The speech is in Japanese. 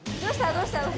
どうした？